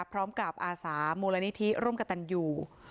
พร้อมกับอาสามูลณิธิร่มกะตันยู